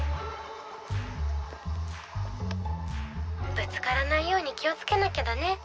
「ぶつからないように気をつけなきゃだね。